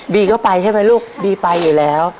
ก็ไปใช่ไหมลูกบีไปอยู่แล้ว